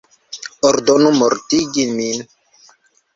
Ordonu mortigi min!